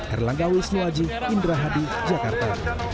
erlang gawis muwaji indra hadi jakarta